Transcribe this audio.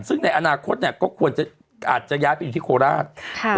ซึ่งในอนาคตก็ควรอาจจะย้ายไปที่โคราช